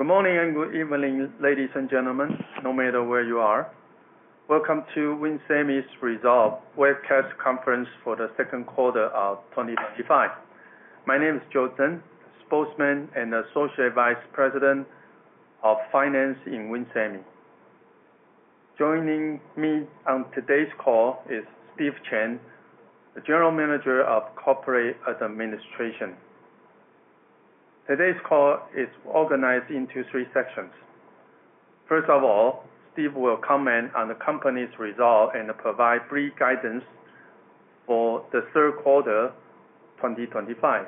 Good morning and good evening, ladies and gentlemen, no matter where you are. Welcome to WIN Semiconductors Corp.'s resolved Webcast Conference for the Second Quarter of 2025. My name is Joe Tsen, Spokesman and Associate Vice President of Finance in WIN Semiconductors Corp. Joining me on today's call is Steve Chen, the General Manager of Corporate Administration. Today's call is organized into three sections. First of all, Steve will comment on the company's results and provide brief guidance for the third quarter of 2025.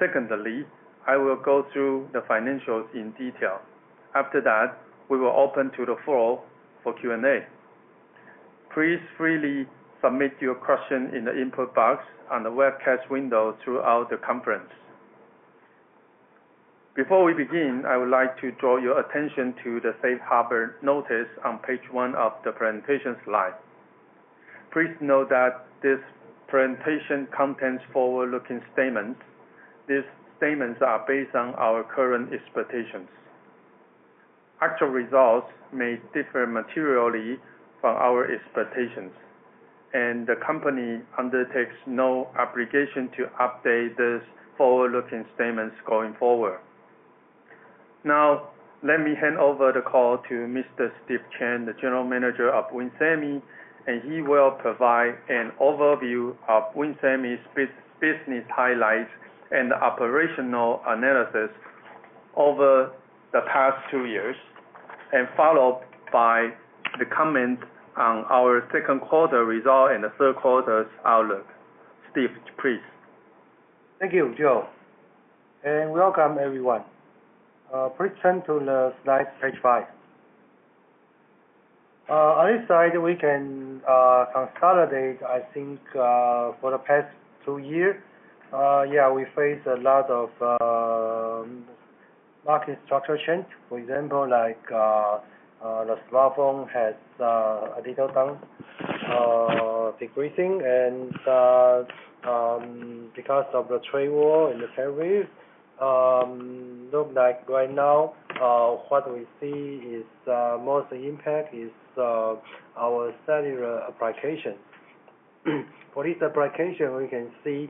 Secondly, I will go through the financials in detail. After that, we will open to the floor for Q&A. Please freely submit your questions in the input box on the webcast window throughout the conference. Before we begin, I would like to draw your attention to the safe harbor notice on page one of the presentation slide. Please note that this presentation contains forward-looking statements. These statements are based on our current expectations. Actual results may differ materially from our expectations, and the company undertakes no obligation to update these forward-looking statements going forward. Now, let me hand over the call to Mr. Steve Chen, the General Manager of WIN Semiconductors Corp., and he will provide an overview of WIN Semiconductors Corp.'s business highlights and operational analysis over the past two years, followed by the comments on our second quarter results and the third quarter's outlook. Steve, please. Thank you, Joe, and welcome everyone. Please turn to the slide page five. On this slide, we can consolidate, I think, for the past two years. We faced a lot of market structural change. For example, like the smartphone has a little down decreasing, and because of the trade war in February, looks like right now what we see is most impact is our cellular application. For this application, we can see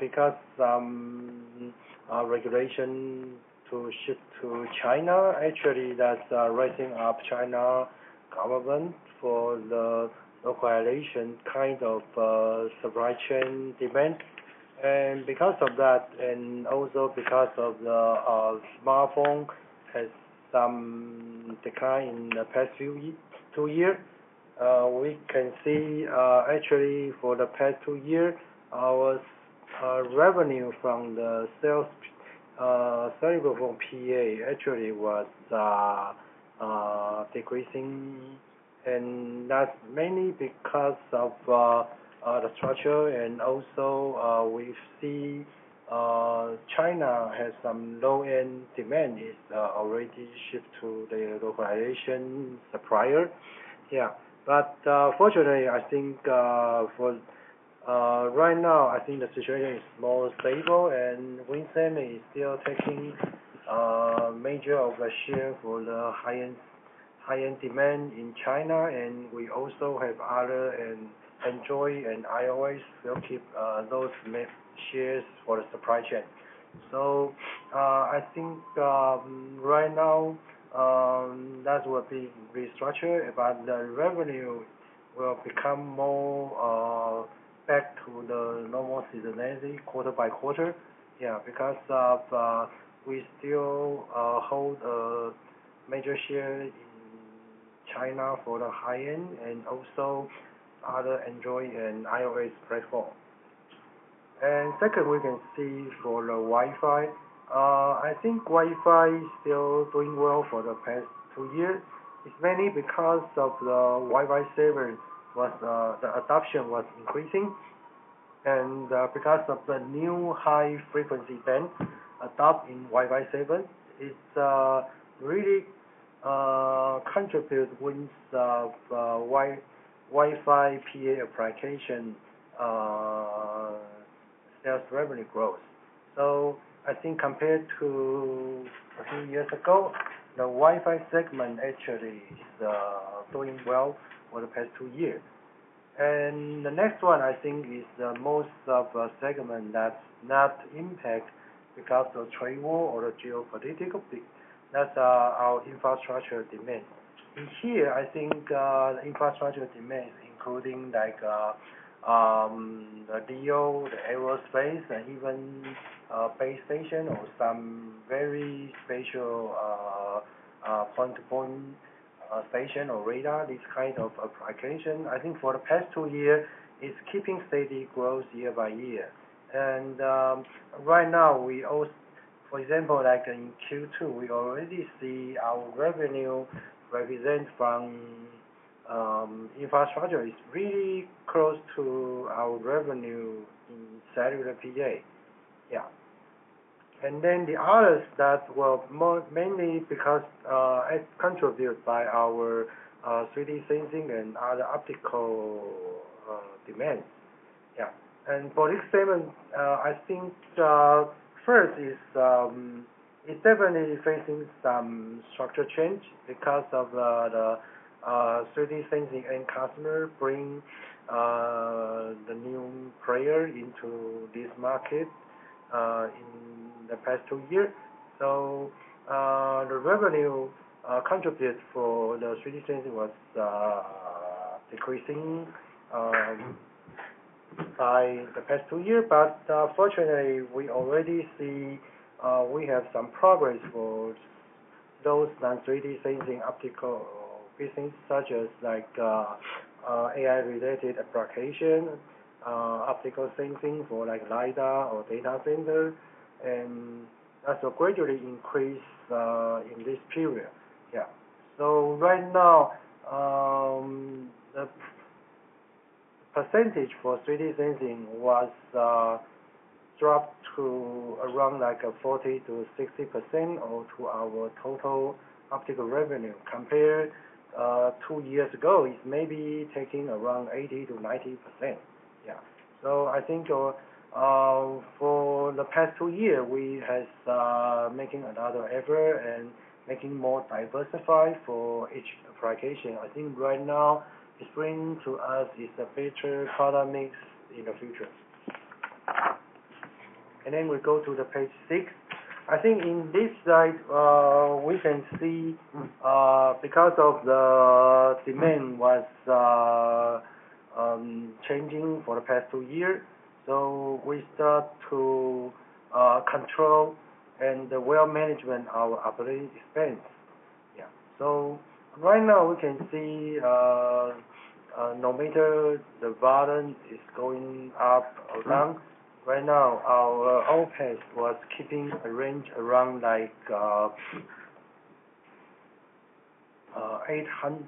because of regulation to ship to China, actually, that's raising up China government for the localization kind of supply chain demand. Because of that, and also because of the smartphone has some decline in the past two years, we can see actually for the past two years, our revenue from the cellular phone PA actually was decreasing, and that's mainly because of the structure. We see China has some low-end demand already shipped to the localization supplier. Fortunately, I think for right now, I think the situation is more stable, and WIN Semi is still taking a major share for the high-end demand in China. We also have other Android and iOS, we'll keep those shares for the supply chain. I think right now that will be restructured, but the revenue will become more back to the normalcy of the quarter by quarter. We still hold a major share in China for the high-end and also other Android and iOS platforms. Second, we can see for the Wi-Fi. I think Wi-Fi is still doing well for the past two years. It's mainly because of the Wi-Fi 7, but the adoption was increasing. Because of the new high-frequency band adopted in Wi-Fi 7, it really contributes to the Wi-Fi PA application sales revenue growth. I think compared to a few years ago, the Wi-Fi segment actually is doing well for the past two years. The next one, I think, is the most of the segment that's not impacted because of trade war or geopolitical. That's our infrastructure demand. Here, I think the infrastructure demands, including like the LEO, the aerospace, and even base station or some very special point-to-point station or radar, this kind of application, I think for the past two years, it's keeping steady growth year by year. Right now, we also, for example, like in Q2, we already see our revenue represent from infrastructure is really close to our revenue in cellular PA. The others, that's what mainly because it's contributed by our 3D sensing and other optical demands. For this segment, I think the first is it's definitely facing some structural change because of the 3D sensing and customer bringing the new player into this market in the past two years. The revenue contributed for the 3D sensing was decreasing by the past two years. Fortunately, we already see we have some progress for those non-3D sensing optical pieces, such as AI-related application, optical sensing for LiDAR or data center. That's a gradually increase in this period. Right now, the percentage for 3D sensing was dropped to around 40%-60% of our total optical revenue. Compared to two years ago, it's maybe taking around 80%-90%. I think for the past two years, we have been making another effort and making more diversified for each application. I think right now, it's bringing to us a better color mix in the future. We go to page six. In this slide, we can see because the demand was changing for the past two years, we start to control and well manage our operating expense. Right now, we can see no matter the volume is going up or down, our OpEx was keeping a range around $800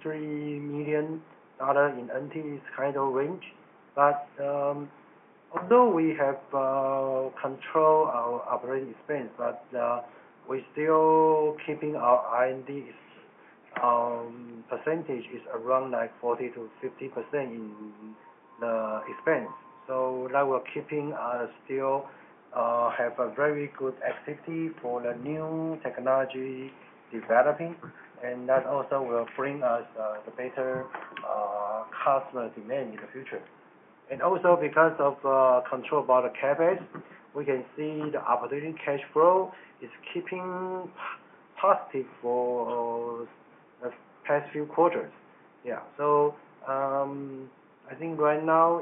million in NTD kind of range. Although we have controlled our operating expense, we're still keeping our R&D percentage around 40%-50% in the expense, so that we're keeping us still have a very good activity for the new technology developing. That also will bring us the better customer demand in the future. Also, because of controlled CapEx, we can see the operating cash flow is keeping positive for the past few quarters. I think right now,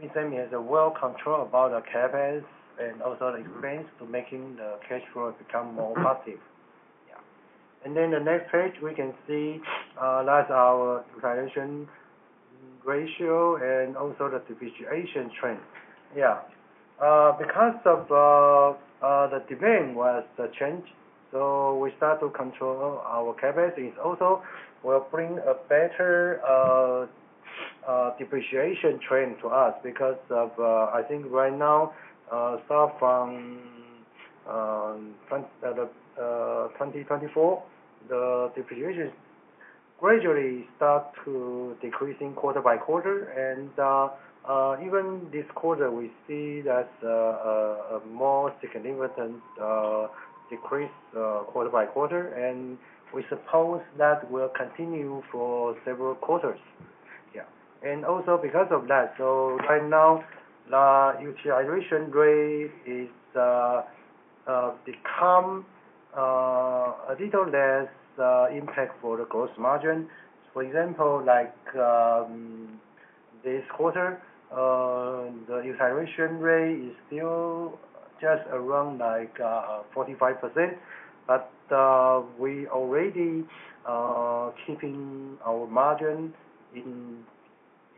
WIN Semi has a well-controlled CapEx and also the expense to making the cash flow become more positive. The next page, we can see that's our valuation ratio and also the depreciation trend. Because the demand was the change, we start to control our CapEx. It also will bring a better depreciation trend to us because I think right now, start from 2024, the depreciation gradually starts to decrease quarter by quarter. Even this quarter, we see that's a more significant decrease quarter by quarter. We suppose that will continue for several quarters. Also because of that, right now, the utilization rate has become a little less impact for the gross margin. For example, like this quarter, the utilization rate is still just around like 45%. We already keeping our margin in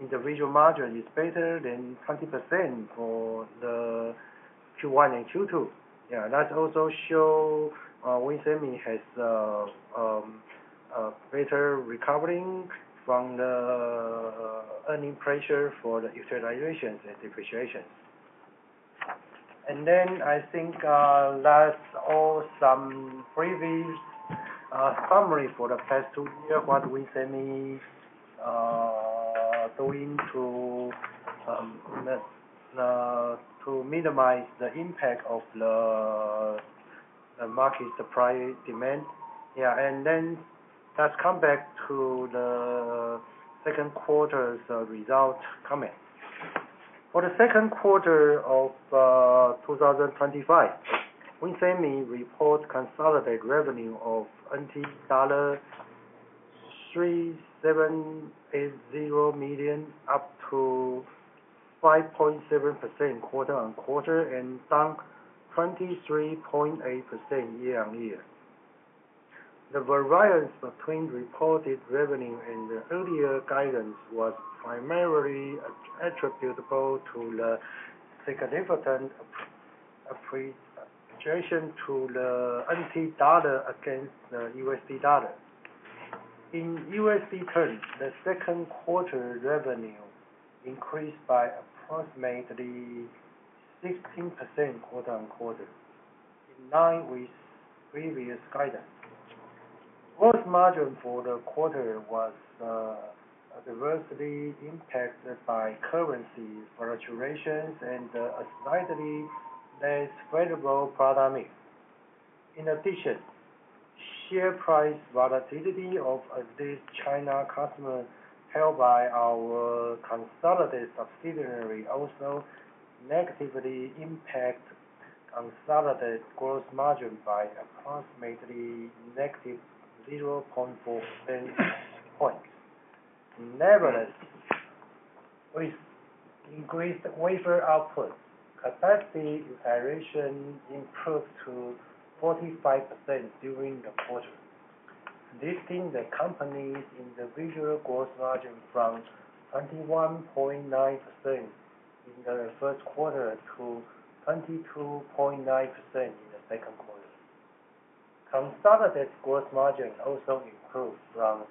individual margin is better than 20% for the Q1 and Q2. Yeah. That also shows WIN Semi has a better recovery from the earning pressure for the utilization and depreciation. I think that's all some previous summary for the past two years, what WIN Semi is doing to minimize the impact of the market supply demand. Yeah. Let's come back to the second quarter's results comment. For the second quarter of 2025, WIN Semi reports consolidated revenue of NT dollar 23.370 million, up to 5.7% quarter-on-quarter and down 23.8% year-on-year. The variance between reported revenue and the earlier guidance was primarily attributable to the significant appreciation to the NT dollar against the U.S. dollar. In U.S. dollar terms, the second quarter revenue increased by approximately 16% quarter-on-quarter in line with previous guidance. Gross margin for the quarter was adversely impacted by currency fluctuations and a slightly less credible product mix. In addition, the share price volatility of this listed Chinese customer held by our consolidated subsidiary also negatively impacts consolidated gross margin by approximately -0.4 percentage point. Nevertheless, with increased wafer output, capacity iteration improved to 45% during the quarter, lifting the company's individual gross margin from 21.9% in the first quarter to 22.9% in the second quarter. Consolidated gross margin also improved from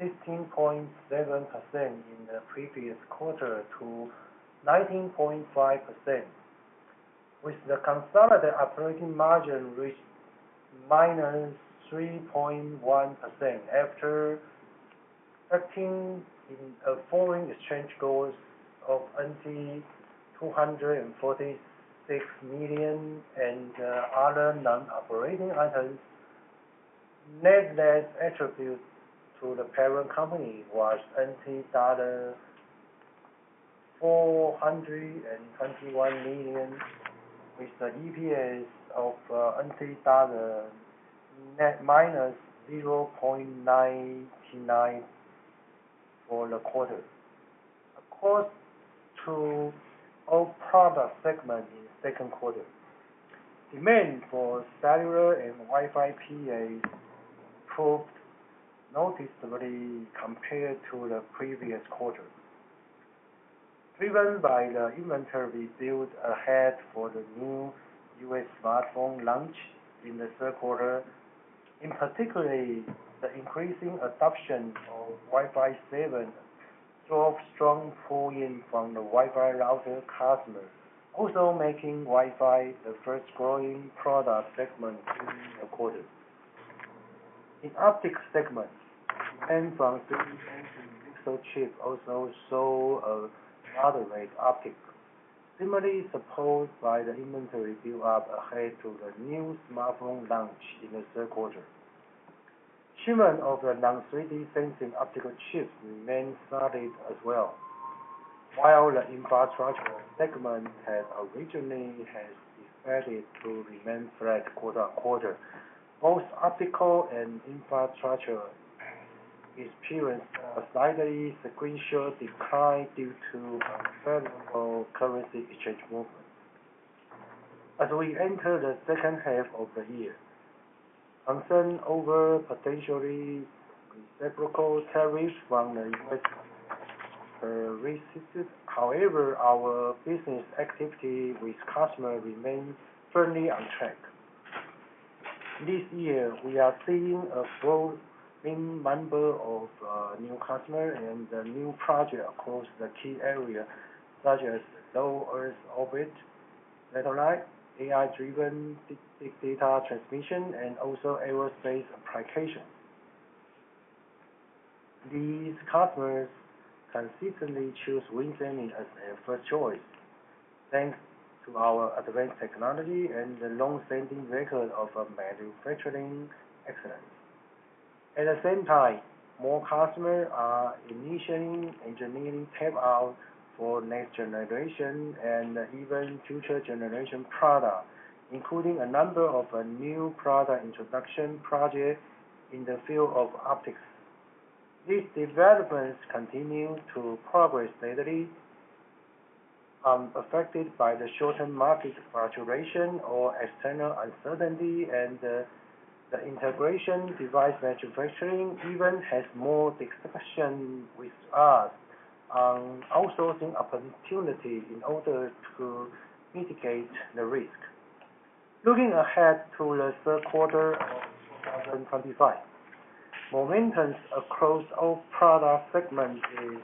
16.7% in the previous quarter to 19.5%, with the consolidated operating margin reached -3.1% after acting in the following exchange goals of 246 million and other non-operating items. Net less attributed to the parent company was NT dollar 421 million, with the EPS of -0.99 for the quarter. According to all product segments in the second quarter, demand for cellular and Wi-Fi PAs improved noticeably compared to the previous quarter. Driven by the inventory we built ahead for the new U.S. smartphone launch in the third quarter, in particular, the increasing adoption of Wi-Fi 7 drove strong pull-in from the Wi-Fi router customer, also making Wi-Fi the first growing product segment in the quarter. In optics segments, hands-on 3D sensing digital chips also show a development optic, similarly supported by the inventory built up ahead to the new smartphone launch in the third quarter. Shipment of the non-3D sensing optical chips remains solid as well. While the infrastructure segment had originally had expected to remain flat quarter-on-quarter, both optical and infrastructure experienced a slightly sequential decline due to a cellular currency exchange movement. As we enter the second half of the year, concern over potentially technical challenges from the U.S. resisted. However, our business activity with customers remains firmly unchecked. This year, we are seeing a full member of new customers and the new projects across the key areas, such as low Earth orbit satellites, AI-driven big data transmission, and also aerospace applications. These customers consistently choose WIN Semi as their first choice, thanks to our advanced technology and the long-standing record of manufacturing excellence. At the same time, more customers are initiating engineering tap out for next generation and even future generation products, including a number of new product introduction projects in the field of optics. These developments continue to progress steadily, affected by the short-term market fluctuation or external uncertainty, and the integrated device manufacturing even has more discussion with us on outsourcing opportunity in order to mitigate the risk. Looking ahead to the third quarter of 2025, momentum across all product segments is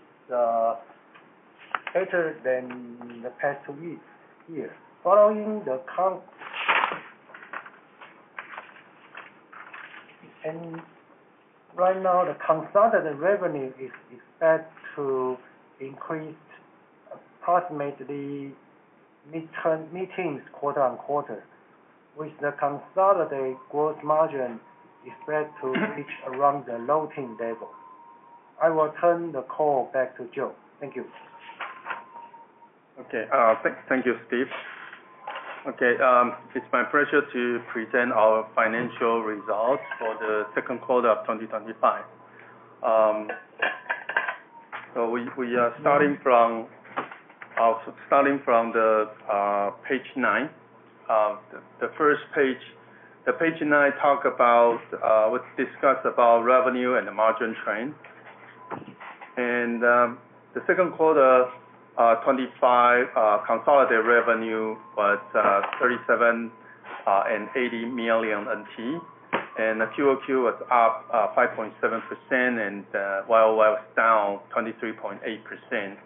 better than the past two years. Following, the consolidated revenue is expected to increase approximately mid-teens quarter-on-quarter, with the consolidated gross margin expected to sit around the low-teens level. I will turn the call back to Joe. Thank you. Okay. Thank you, Steve. Okay. It's my pleasure to present our financial results for the second quarter of 2025. We are starting from page nine. The first page, page nine, talks about what's discussed about revenue and the margin trend. In the second quarter, 2025 consolidated revenue was 3.780 million NT. The QoQ was up 5.7% and the YoY was down 23.8%.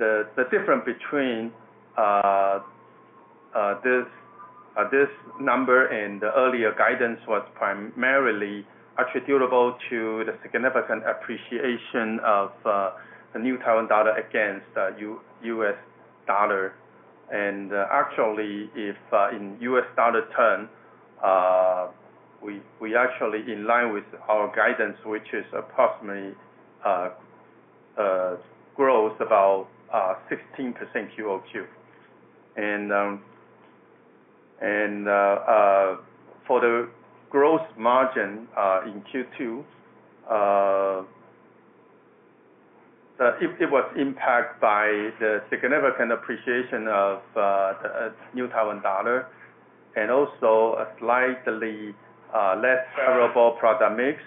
The difference between this number and the earlier guidance was primarily attributable to the significant appreciation of the New Taiwan Dollar against the U.S. dollar. Actually, if in U.S. dollar terms, we actually align with our guidance, which is approximately growth about 16% QoQ. For the gross margin in Q2, it was impacted by the significant appreciation of the New Taiwan Dollar and also a slightly less favorable product mix.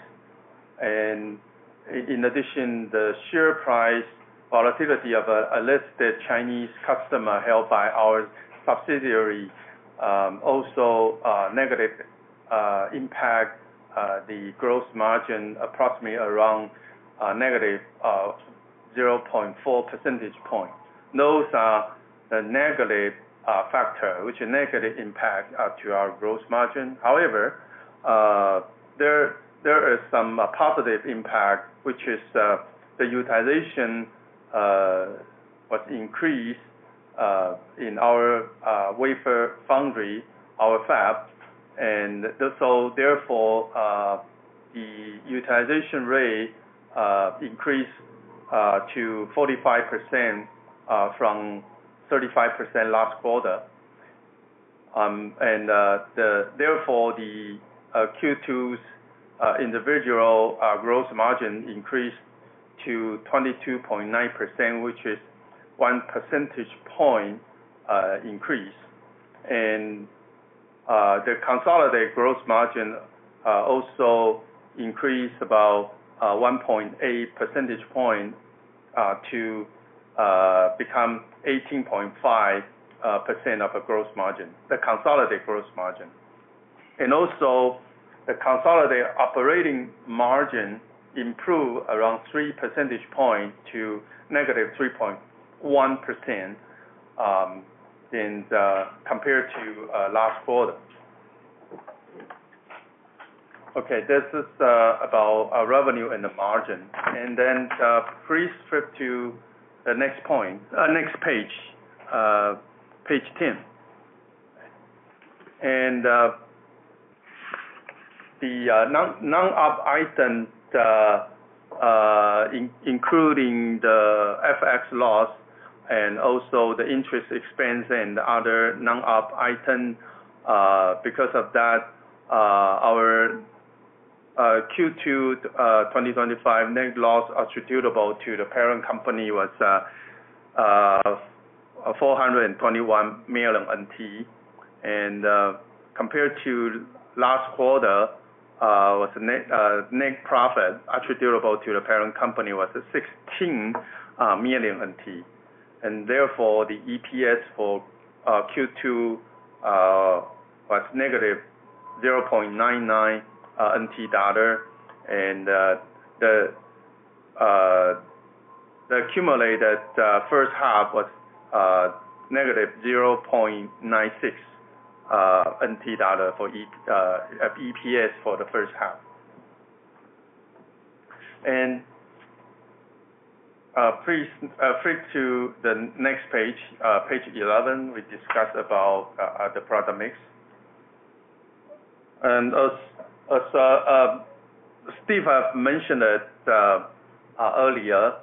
In addition, the share price volatility of a listed Chinese customer held by our subsidiary also negatively impacted the gross margin approximately around a negative 0.4 percentage point. Those are the negative factors, which are negative impacts to our gross margin. However, there is some positive impact, which is the utilization was increased in our wafer foundry, our fabs. Therefore, the utilization rate increased to 45% from 35% last quarter. The Q2 individual gross margin increased to 22.9%, which is a 1 percentage point increase. The consolidated gross margin also increased about 1.8 percentage points to become 18.5% of the gross margin, the consolidated gross margin. Also, the consolidated operating margin improved around 3 percentage points to -3.1% compared to last quarter. This is about revenue and the margin. Please flip to the next point, next page, page 10. The non-op items, including the FX loss and also the interest expense and other non-op items, because of that, our Q2 2025 net loss attributable to the parent company was 421 million NT. Compared to last quarter, the net profit attributable to the parent company was 16 million NT. Therefore, the EPS for Q2 was -0.99 NT dollar. The accumulated first half was -0.96 NT dollar for EPS for the first half. Please flip to the next page, page 11. We discussed the product mix. As Steve Chen mentioned earlier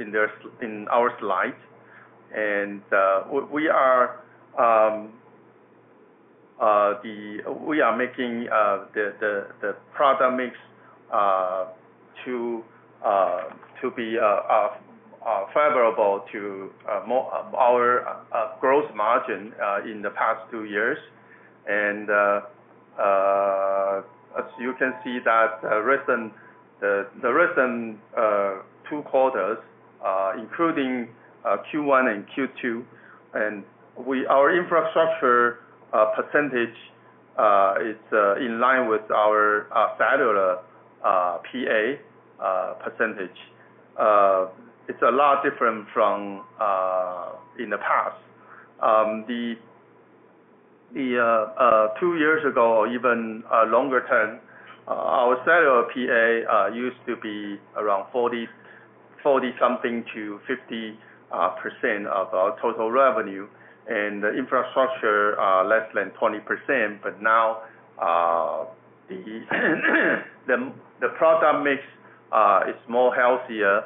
in our slide, we are making the product mix to be favorable to our gross margin in the past two years. As you can see, the recent two quarters, including Q1 and Q2, our infrastructure percentage is in line with our cellular PA percentage. It's a lot different from in the past. Two years ago, or even longer term, our cellular PA used to be around 40-something to 50% of our total revenue, and the infrastructure less than 20%. Now, the product mix is healthier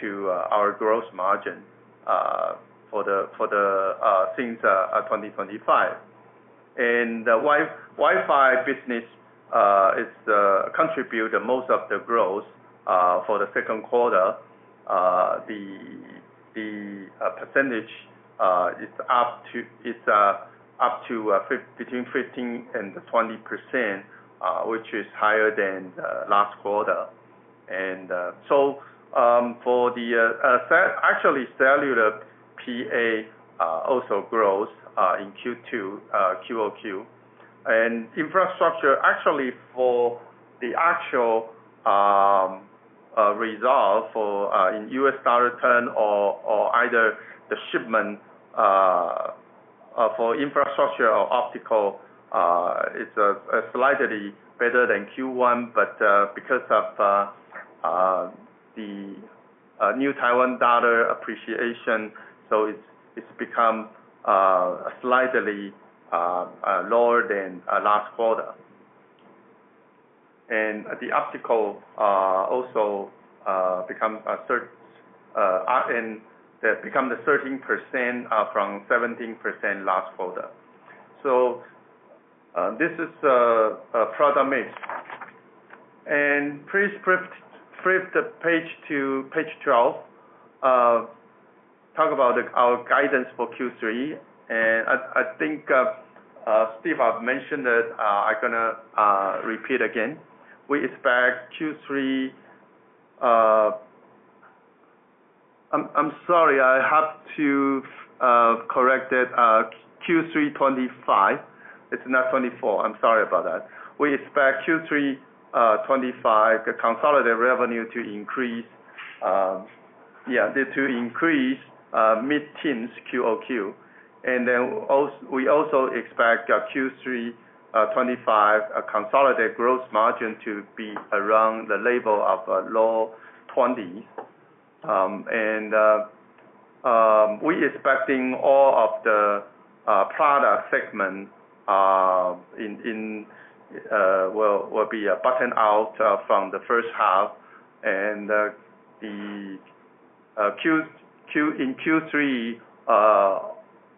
to our gross margin for the things of 2025. The Wi-Fi business contributed most of the growth for the second quarter. The percentage is up to between 15% and 20%, which is higher than last quarter. Actually, cellular PA also grows in Q2 QoQ. Infrastructure, actually, for the actual result in U.S. dollar term or either the shipment for infrastructure or optical, it's slightly better than Q1, but because of the New Taiwan Dollar appreciation, it's become slightly lower than last quarter. The optical also becomes 13% from 17% last quarter. This is a product mix. Please flip the page to page 12. Talk about our guidance for Q3. Steve mentioned that, I'm going to repeat again. We expect Q3, I'm sorry, I have to correct it. Q3 2025, it's not 2024. I'm sorry about that. We expect Q3 2025, the consolidated revenue to increase, yeah, to increase mid-teens QoQ. We also expect Q3 2025 consolidated gross margin to be around the level of low 20%. We expect all of the product segments will be buttoned out from the first half. In Q3,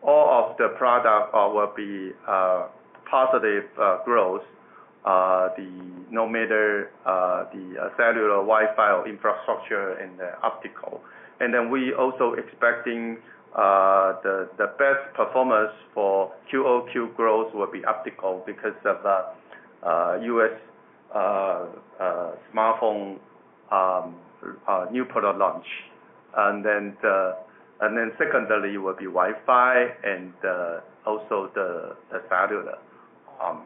all of the products will be positive growth, no matter the cellular, Wi-Fi, or infrastructure and the optical. We also expect the best performance for QoQ growth will be optical because of the U.S. smartphone new product launch. Secondarily will be Wi-Fi and also the cellular.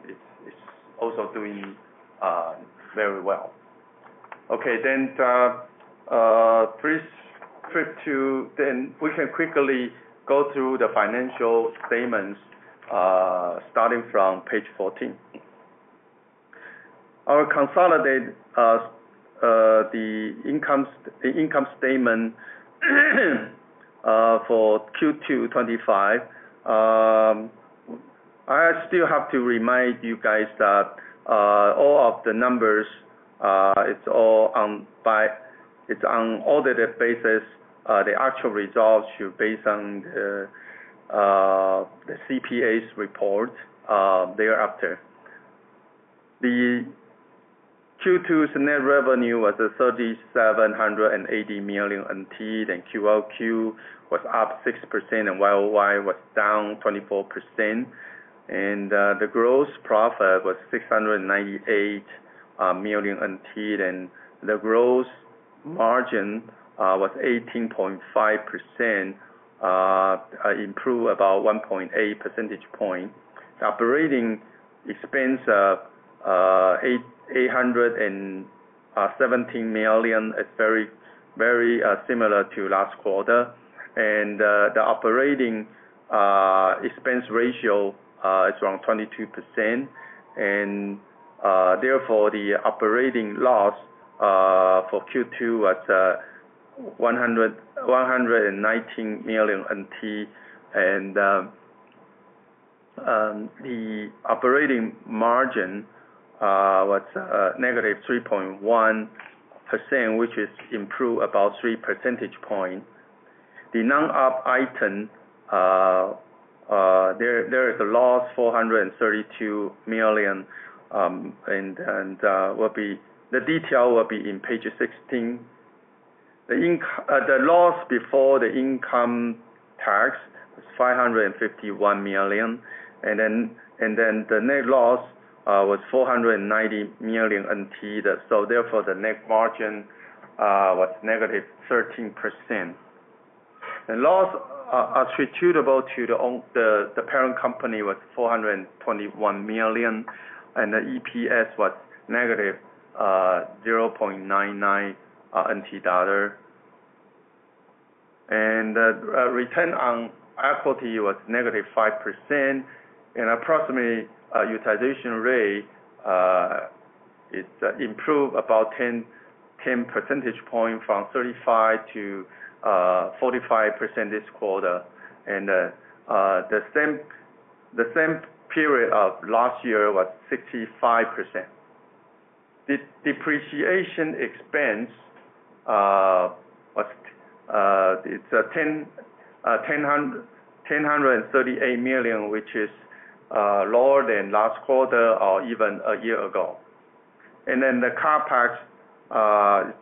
It's also doing very well. Please flip to, then we can quickly go through the financial statements, starting from page 14. Our consolidated income statement for Q2 2025. I still have to remind you guys that all of the numbers, it's all on an audited basis. The actual results are based on the CPA's report thereafter. The Q2 net revenue was 3.780 million NT. QoQ was up 6% and YoY was down 24%. The gross profit was 698 million NT. The gross margin was 18.5%, improved about 1.8 percentage point. The operating expense of 817 million is very, very similar to last quarter. The operating expense ratio is around 22%. Therefore, the operating loss for Q2 was 119 million NT. The operating margin was -3.1%, which is improved about 3 percentage points. The non-op item, there is a loss of 432 million. The detail will be in page 16. The loss before the income tax was 551 million. The net loss was 490 million NT. Therefore, the net margin was -13%. The loss attributable to the parent company was 421 million, and the EPS was -0.99 NT dollar. The return on equity was -5%. Approximately utilization rate improved about 10 percentage points from 35%-45% this quarter. The same period of last year was 65%. Depreciation expense was 1.038 million, which is lower than last quarter or even a year ago. The CapEx is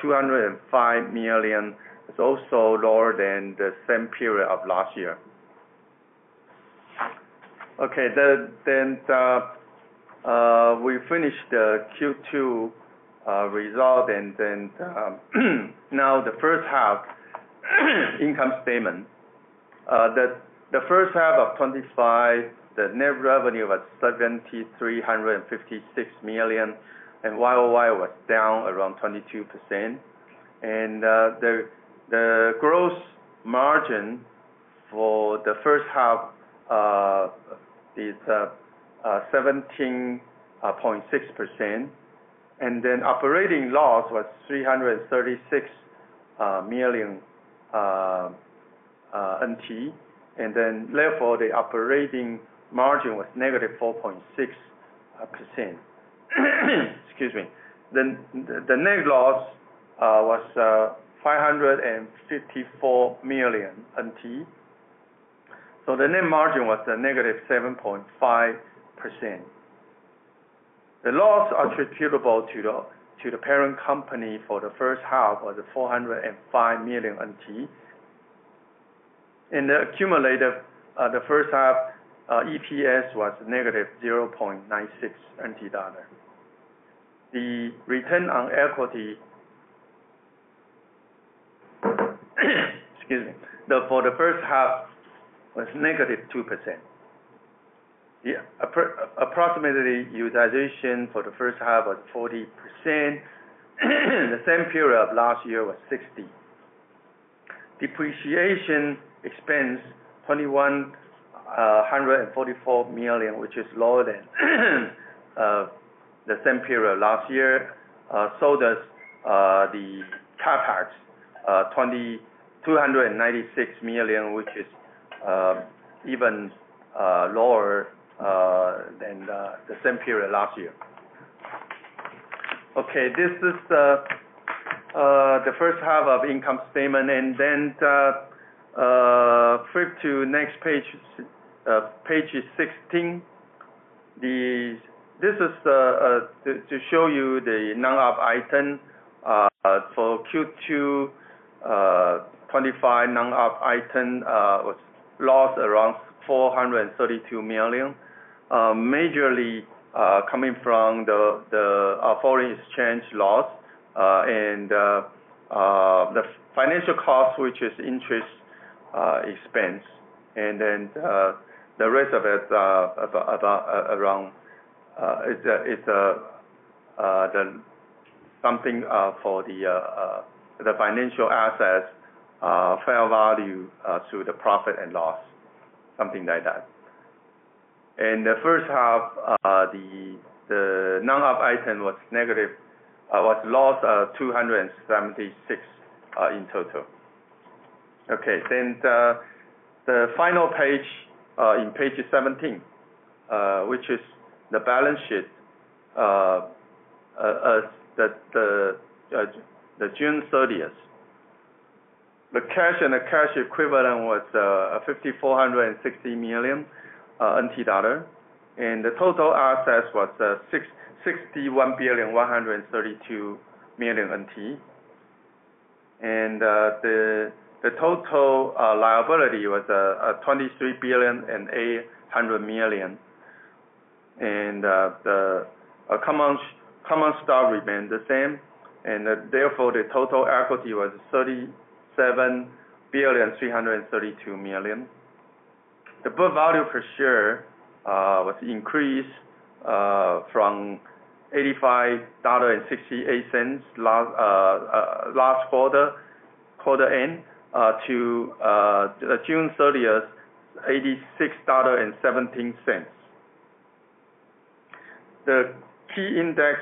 205 million. It's also lower than the same period of last year. We finish the Q2 result. Now the first half income statement. The first half of 2025, the net revenue was 7.356 million, and YoY was down around 22%. The gross margin for the first half is 17.6%. Operating loss was 336 million NT. Therefore, the operating margin was -4.6%. Excuse me. The net loss was 554 million NT, so the net margin was -7.5%. The loss attributable to the parent company for the first half was 405 million NT. The accumulative first half EPS was -0.96 NT dollar. The return on equity, excuse me, for the first half was -2%. The approximate utilization for the first half was 40%. In the same period of last year, it was 60%. Depreciation expense was 2.144 million, which is lower than the same period of last year. CapEx was 2.296 million, which is even lower than the same period of last year. This is the first half of the income statement. Flip to the next page, page 16. This is to show you the non-op item. Q2 2025 non-op item was a loss of around 432 million, mainly coming from the foreign exchange loss and the financial cost, which is interest expense. The rest of it is about something for the financial assets, fair value to the profit and loss, something like that. In the first half, the non-op item was negative, a loss of 276 million in total. The final page, page 17, which is the balance sheet, June 30th. The cash and cash equivalent was 5.460 million NT dollar. The total assets were 61.132 billion. The total liability was 23.800 billion. The common stock remained the same. Therefore, the total equity was 37.332 billion. The book value per share increased from $85.68 last quarter end to June 30th, $86.17. The key index,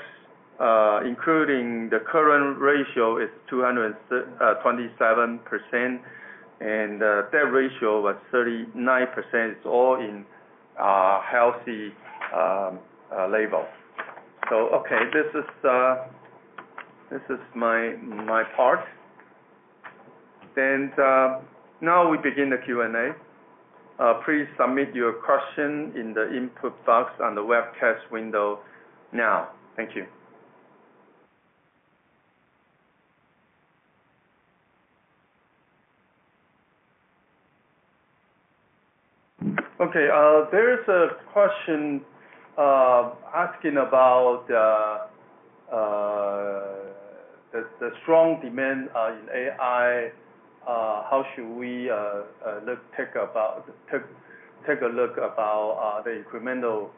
including the current ratio, is 227%. The debt ratio was 39%. It's all in a healthy level. This is my part. Now we begin the Q&A. Please submit your question in the input box on the webcast window now. Thank you. There is a question asking about the strong demand in AI. How should we take a look at the incremental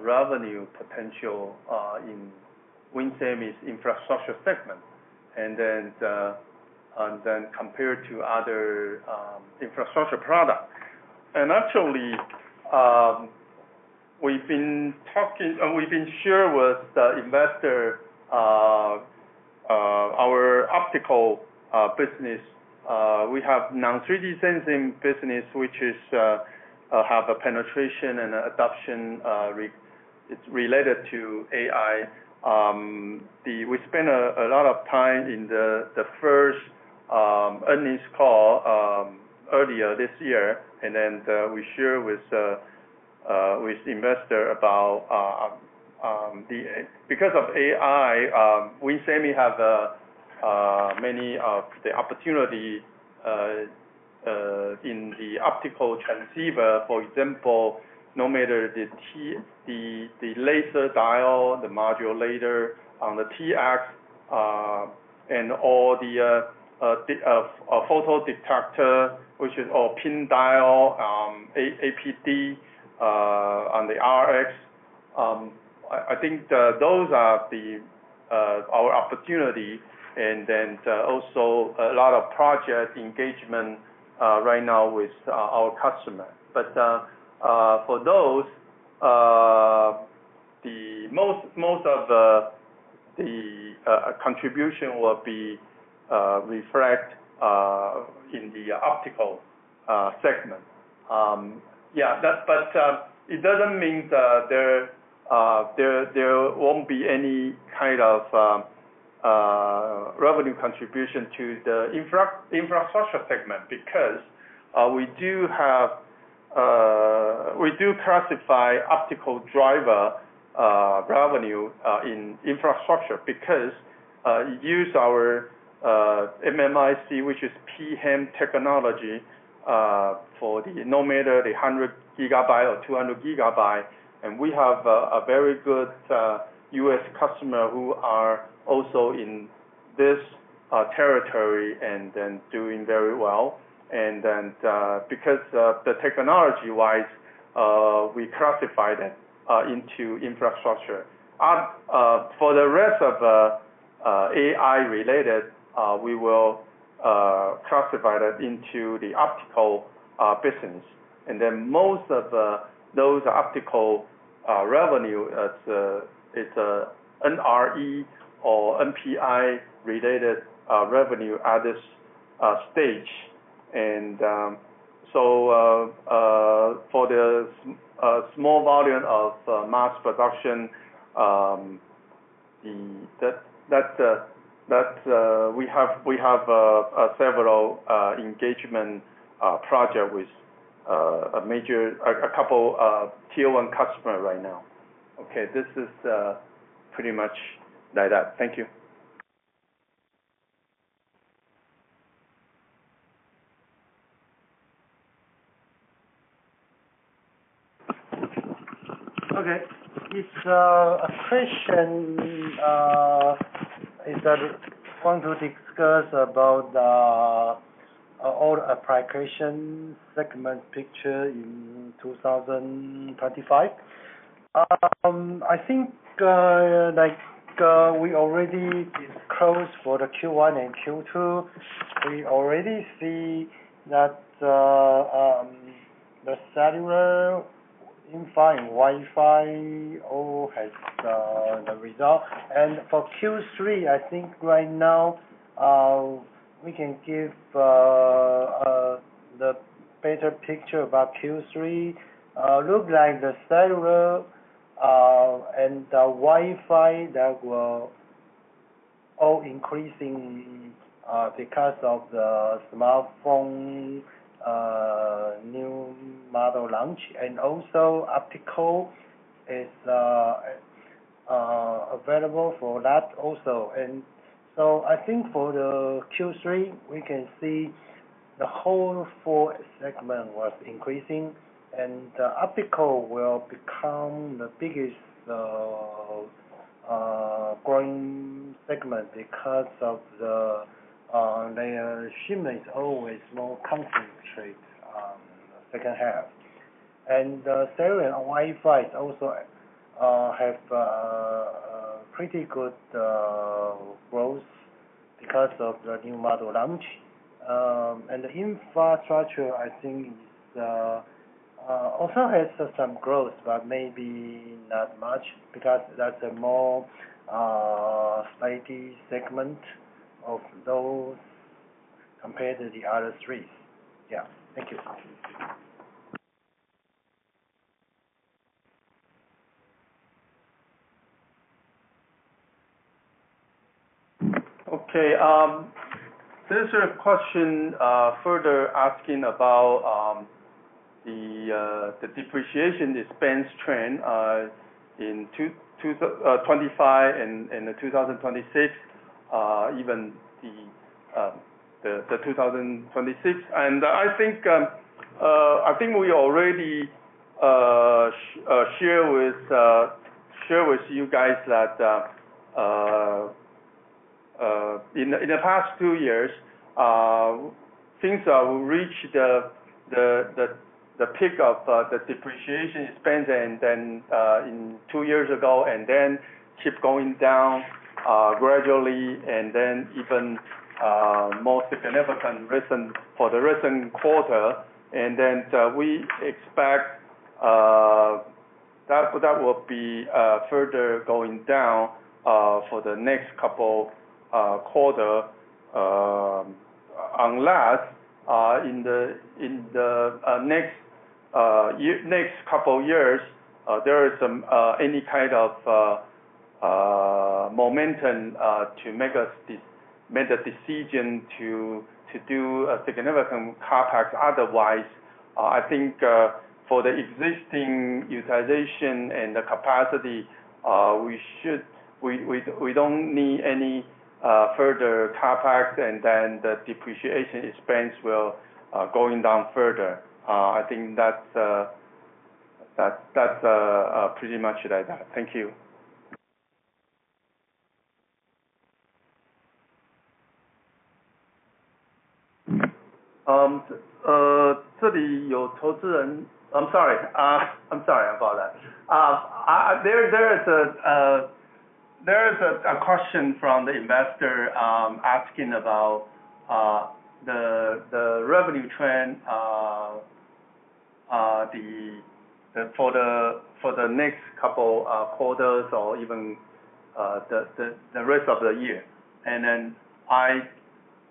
revenue potential in WIN Semi's infrastructure segment compared to other infrastructure products? Actually, we've been sharing with the investor our optical business. We have non-3D sensing business, which has a penetration and adoption related to AI. We spent a lot of time in the first earnings call earlier this year. We shared with the investor that because of AI, WIN Semi has many opportunities in the optical transceiver. For example, no matter the laser diode, the modulator on the TX, and all the photo detector, which is all PIN diode, APD on the RX. I think those are our opportunities. There is also a lot of project engagement right now with our customers. For those, most of the contribution will be reflected in the optical segment. It does not mean that there will not be any kind of revenue contribution to the infrastructure segment because we do classify optical driver revenue in infrastructure since we use our MMIC, which is pHEMT technology, for the 100 gigabyte or 200 gigabyte. We have a very good U.S. customer who is also in this territory and doing very well. Technology-wise, we classify them into infrastructure. For the rest of the AI-related, we will classify that into the optical business. Most of those optical revenue is NRE or NPI-related revenue at this stage. For the small volume of mass production, we have several engagement projects with a couple of Tier 1 customers right now. This is pretty much like that. Thank you. It is a question that I want to discuss about the all application segment picture in 2025. I think we already disclosed for Q1 and Q2. We already see that the cellular, Wi-Fi, all has the result. For Q3, I think right now, we can give the better picture about Q3. It looks like the cellular and the Wi-Fi will all increase because of the smartphone new model launch. Optical is available for that also. I think for Q3, we can see the whole four segments were increasing. The optical will become the biggest growing segment because the shipment is always more concentrated in the second half. The cellular and Wi-Fi also have pretty good growth because of the new model launch. The infrastructure, I think, also has some growth, but maybe not much because that is a more spiky segment compared to the other three. Thank you. This is a question further asking about the depreciation expense trend in 2025 and in 2026, even 2026. I think we already shared with you that in the past two years, things reached the peak of the depreciation expense two years ago, and then keep going down gradually, and then even more significant for the recent quarter. We expect that will be further going down for the next couple of quarters. Unless in the next couple of years, there is any kind of momentum to make a decision to do a significant CapEx. Otherwise, I think for the existing utilization and the capacity, we don't need any further CapEx, and the depreciation expense will go down further. I think that's pretty much like that. Thank you. I'm sorry about that. There is a question from the investor asking about the revenue trend for the next couple of quarters or even the rest of the year.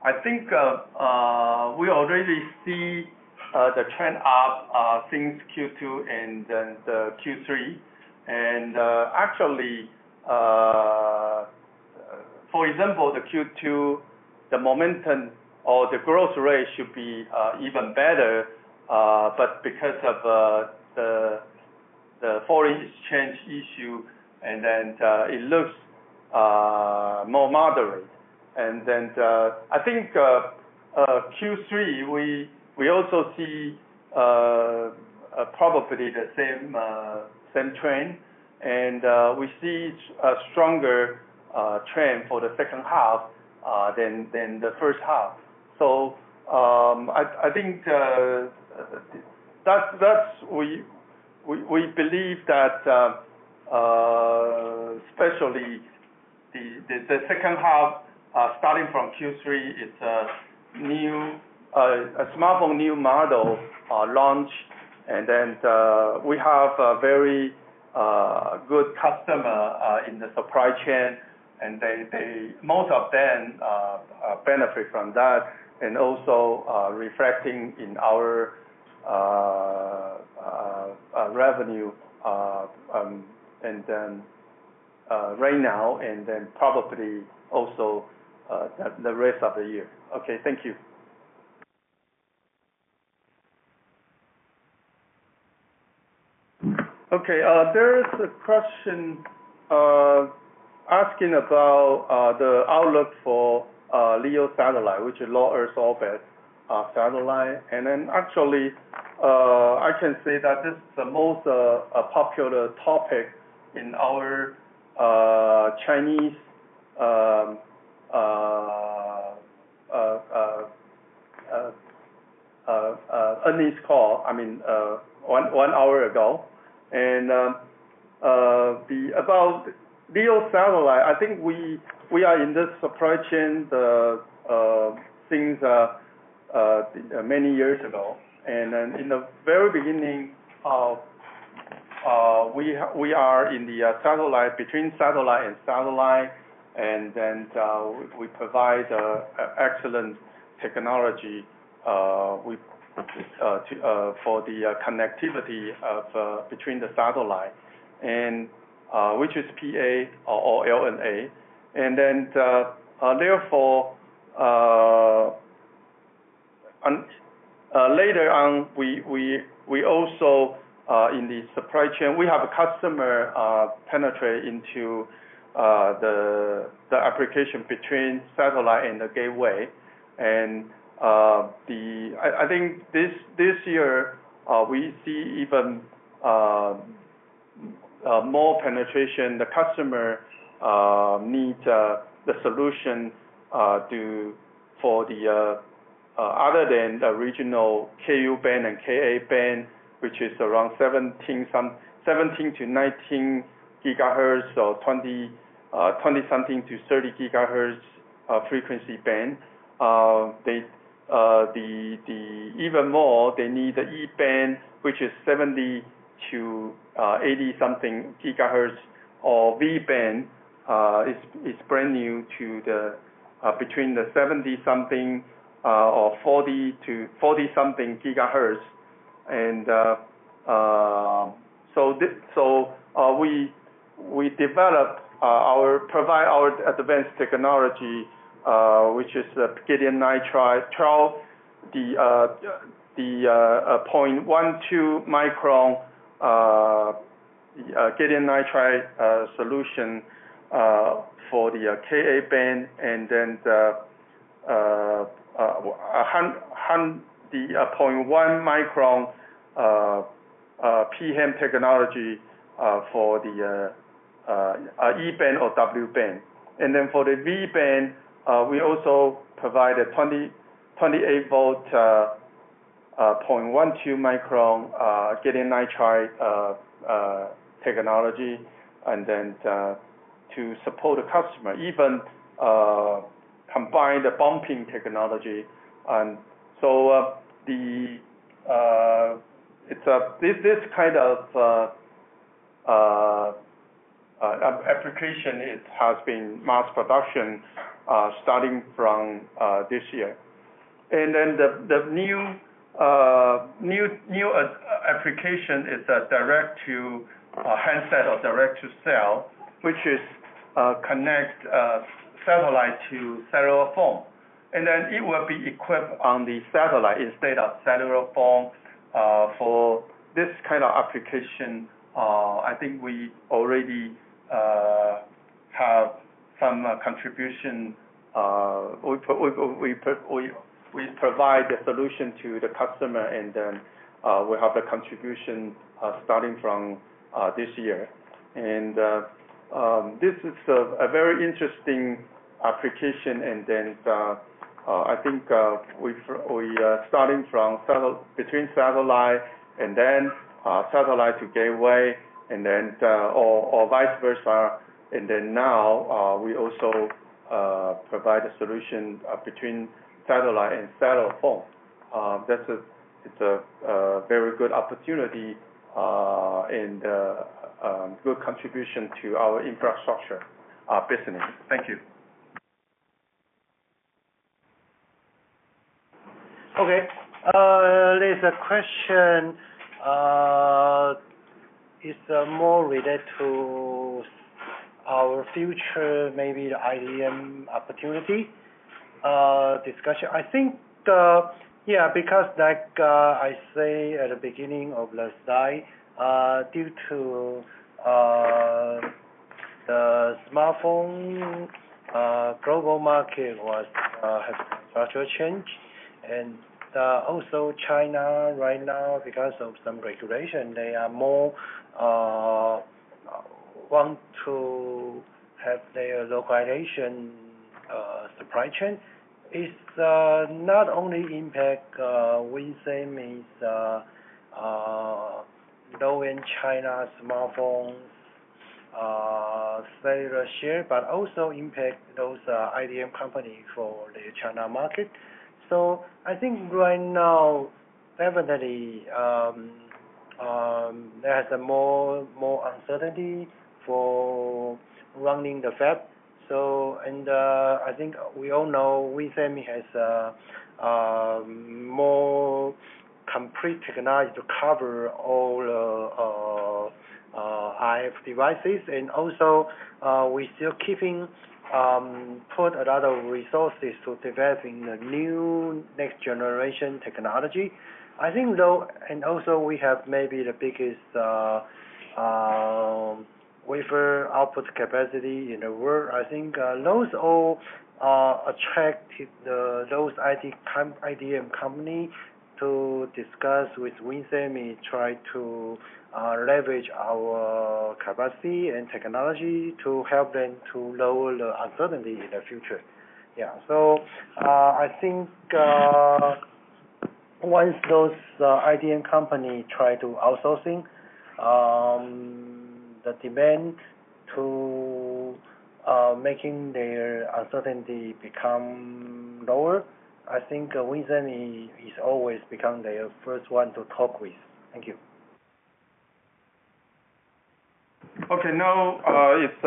I think we already see the trend of things Q2 and then the Q3. For example, the Q2, the momentum or the growth rate should be even better, but because of the foreign exchange issue, it looks more moderate. I think Q3, we also see probably the same trend. We see a stronger trend for the second half than the first half. I think we believe that especially the second half, starting from Q3, it's a new smartphone new model launch. We have a very good customer in the supply chain, and most of them benefit from that. Also reflecting in our revenue right now and probably also the rest of the year. Thank you. There is a question asking about the outlook for LEO satellite, which is low Earth orbit satellite. Actually, I can say that this is the most popular topic in our Chinese earnings call, I mean, one hour ago. About LEO satellite, I think we are in this supply chain since many years ago. In the very beginning, we are in the satellite between satellite and satellite. We provide excellent technology for the connectivity between the satellite, which is PA or LNA. Therefore, later on, we also in the supply chain, we have a customer penetrate into the application between satellite and the gateway. I think this year, we see even more penetration. The customer needs the solution for the other than the original KU band and KA band, which is around 17-19 GHz or 20-something to 30 GHz frequency band. Even more, they need the E band, which is 70 to 80-something GHz, or V band is brand new between the 70-something or 40 to 40-something GHz. We developed our provide our advanced technology, which is the GaN iTRI 12, the 0.12 µm GaN iTRI solution for the KA band, and the 100.1 µm pHEMT technology for the E band or W band. For the V band, we also provide a 28 V 0.12 µm GaN iTRI technology to support the customer, even combining the bumping technology. This kind of application has been in mass production starting from this year. The new application is a direct-to-handset or direct-to-cell, which connects satellite to cellular phone. It will be equipped on the satellite instead of the cellular phone. For this kind of application, I think we already have some contribution. We provide the solution to the customer, and we have the contribution starting from this year. This is a very interesting application. I think we are starting from between satellite and satellite to gateway, or vice versa. Now we also provide a solution between satellite and cellular phone. That's a very good opportunity and a good contribution to our infrastructure business. Thank you. There's a question. It's more related to our future, maybe the IDM opportunity discussion. I think, because like I said at the beginning of the last slide, due to the smartphone global market having a structural change, and also China right now, because of some regulation, they want to have their localization supply chain. It not only impacts WIN Semi's low-end China smartphone cellular share, but also impacts those IDM companies for the China market. I think right now, evidently, there's more uncertainty for running the fab. We all know WIN Semi has more complete technology to cover all IF devices, and we're still keeping putting a lot of resources to develop the new next-generation technology. I think, and also we have maybe the biggest wafer output capacity in the world. I think those all attract those IDM companies to discuss with WIN Semi, trying to leverage our capacity and technology to help them to lower the uncertainty in the future. Once those IDM companies try to outsource the demand to make their uncertainty become lower, I think WIN Semi is always becoming the first one to talk with. Thank you. Now it's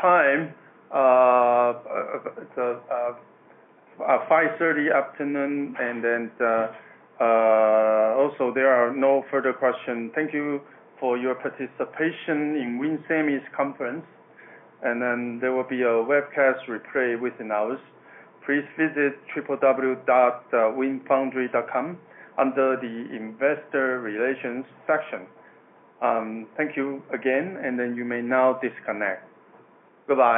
time. It's 5:30 P.M., and there are no further questions. Thank you for your participation in WIN Semi's conference. There will be a webcast replay within hours. Please visit www.winfoundry.com under the investor relations section. Thank you again. You may now disconnect. Goodbye.